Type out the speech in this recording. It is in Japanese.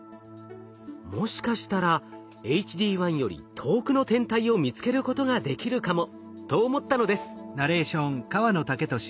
もしかしたらＨＤ１より遠くの天体を見つけることができるかもと思ったのです。